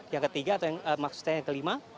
yang ke tiga atau maksud saya yang ke lima